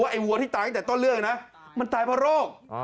ไอ้วัวที่ตายตั้งแต่ต้นเรื่องนะมันตายเพราะโรค